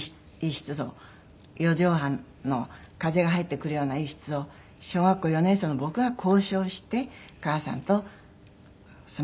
「４畳半の風が入ってくるような一室を小学校４年生の僕が交渉して母さんと住まわせてもらった」。